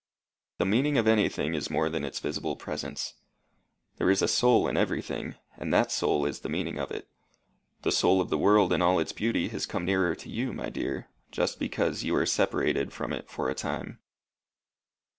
The meaning of anything is more than its visible presence. There is a soul in everything, and that soul is the meaning of it. The soul of the world and all its beauty has come nearer to you, my dear, just because you are separated from it for a time."